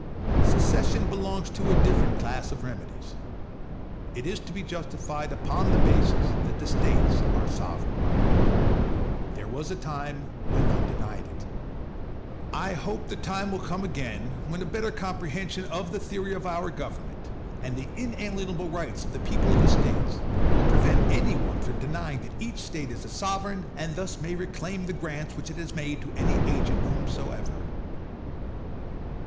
Secession belongs to a different class of remedies. It is to be justified upon the basis that the States are sovereign. There was a time when none denied it. I hope the time may come again when a better comprehension of the theory of our government, and the inalienable rights of the people of the States, will prevent any one from denying that each State is a sovereign, and thus may reclaim the grants which it has made to any agent whomsoever.